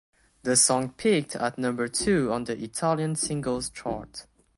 The song peaked at number two on the Italian Singles Chart.